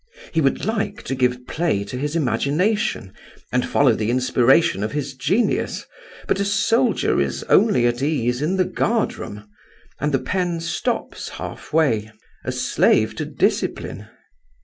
He would like to give play to his imagination, and follow the inspiration of his genius, but a soldier is only at ease in the guard room, and the pen stops half way, a slave to discipline.